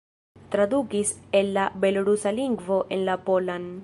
Tradukis el la belorusa lingvo en la polan.